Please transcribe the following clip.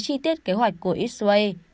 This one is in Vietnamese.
chi tiết kế hoạch của israel